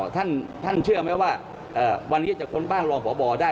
ท่านเชื่อไหมว่าวันนี้จะค้นบ้านรองพบได้